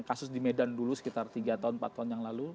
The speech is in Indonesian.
kasus di medan dulu sekitar tiga tahun empat tahun yang lalu